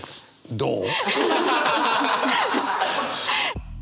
どう？